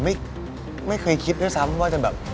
ไม่เคยคิดด้วยซ้ำว่าจะแบบ